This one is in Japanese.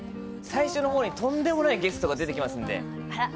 最初の方にとんでもないゲストが出てきますんで。